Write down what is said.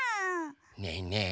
ねえねえ。